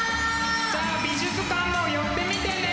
じゃあ美術館も寄ってみてね！